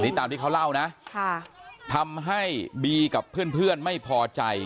นี่ตามที่เขาเล่านะค่ะทำให้บีกับเพื่อนเพื่อนไม่พอใจ